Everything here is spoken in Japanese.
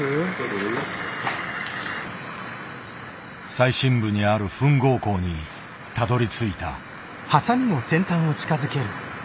最深部にあるふん合口にたどりついた。